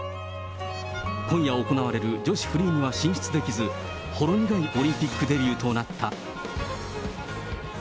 今夜行われる女子フリーには進出できず、ほろ苦いオリンピックデビューとなった。